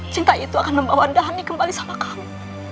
cinta itu akan membawa dhani kembali sama kamu